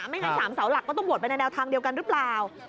ไม่งั้น๓เสาหลักก็ต้องโหวตไปในแนวทางเดียวกันหรือเปล่า